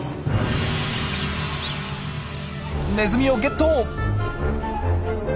ネズミをゲット！